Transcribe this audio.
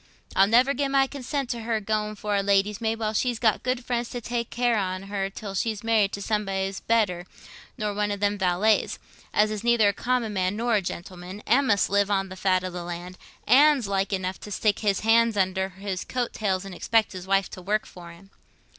I'll never gi' my consent to her going for a lady's maid, while she's got good friends to take care on her till she's married to somebody better nor one o' them valets, as is neither a common man nor a gentleman, an' must live on the fat o' the land, an's like enough to stick his hands under his coat tails and expect his wife to work for him."